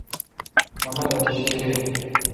مہ مل اتیش گیریی۔